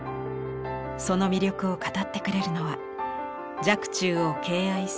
その魅力を語ってくれるのは若冲を敬愛するこの方。